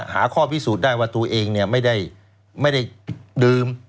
หาข้อพิสูจน์ได้ว่าตัวเองไม่ได้ดื่ม